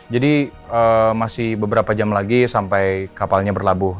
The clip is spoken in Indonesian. jadi masih beberapa jam lagi sampai kapalnya berlabuh